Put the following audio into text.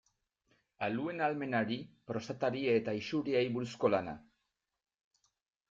Aluen ahalmenari, prostatari eta isuriei buruzko lana.